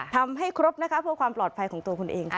ทำให้ครบนะคะเพื่อความปลอดภัยของตัวคุณเองค่ะ